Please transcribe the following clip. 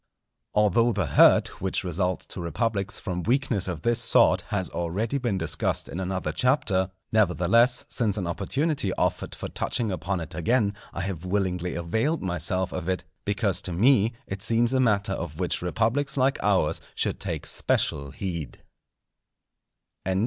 Although the hurt which results to republics from weakness of this sort has already been discussed in another Chapter, nevertheless, since an opportunity offered for touching upon it again, I have willingly availed myself of it, because to me it seems a matter of which republics like ours should take special heed.